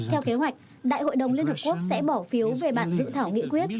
theo kế hoạch đại hội đồng liên hợp quốc sẽ bỏ phiếu về bản dự thảo nghị quyết